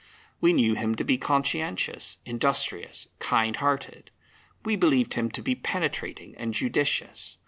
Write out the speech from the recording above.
We knew him to be conscientious, industrious, kind hearted. We believed him to be penetrating and judicious.